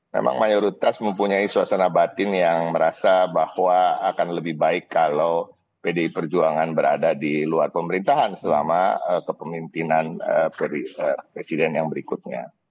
memang mayoritas mempunyai suasana batin yang merasa bahwa akan lebih baik kalau pdi perjuangan berada di luar pemerintahan selama kepemimpinan presiden yang berikutnya